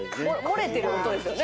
漏れてる音ですよね。